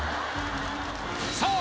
さあ